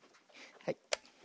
はい。